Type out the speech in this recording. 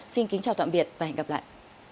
xin kính chào tạm biệt và hẹn gặp lại